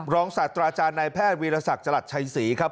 ศาสตราจารย์นายแพทย์วีรศักดิ์จรัสชัยศรีครับ